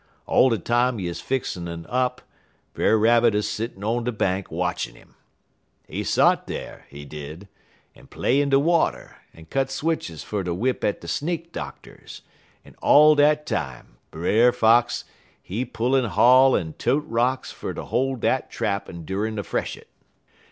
All de time he 'uz fixin' un it up, Brer Rabbit 'uz settin' on de bank watchin' 'im. He sot dar, he did, en play in de water, en cut switches fer ter w'ip at de snake doctors, en all dat time Brer Fox, he pull en haul en tote rocks fer ter hol' dat trap endurin' a freshet.